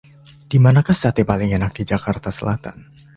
Dimanakah sate paling enak di Jakarta Selatan?